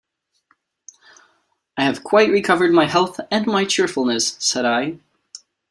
"I have quite recovered my health and my cheerfulness," said I.